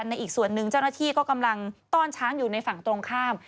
อีกส่วนหนึ่งเจ้าหน้าที่ก็กำลังต้อนช้างอยู่ในฝั่งตรงข้าม